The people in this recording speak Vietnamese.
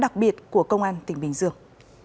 công an tỉnh bình dương